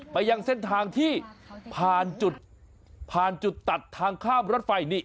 ไปยังเส้นทางที่ผ่านจุดผ่านจุดตัดทางข้ามรถไฟนี่